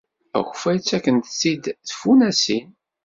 Akeffay ttakfent-tt-id tfunasin.